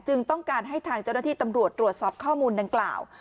ต้องการให้ทางเจ้าหน้าที่ตำรวจตรวจสอบข้อมูลดังกล่าว